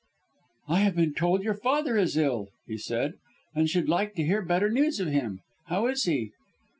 "I've been told that your father is ill," he said, "and should like to hear better news of him. How is he?"